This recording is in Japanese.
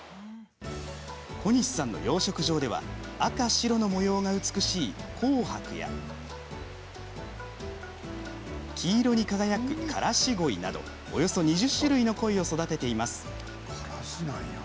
小西さんの養殖場では赤白の模様が美しい紅白や黄色に輝くカラシゴイなどおよそ２０種類のコイを育てています。